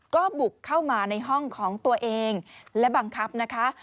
ก็บุกเข้ามาในห้องของตัวเองและบังคับนะคะ